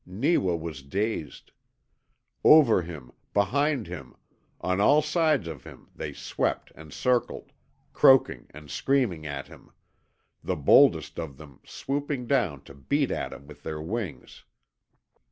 Neewa was dazed. Over him, behind him, on all sides of him they swept and circled, croaking and screaming at him, the boldest of them swooping down to beat at him with their wings.